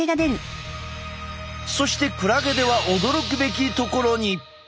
そしてクラゲでは驚くべきところに！